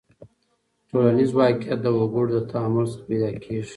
ټولنیز واقعیت د وګړو له تعامل څخه پیدا کېږي.